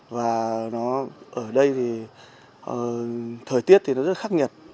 và nó ở đây thì thời tiết thì nó rất là khắc nghiệt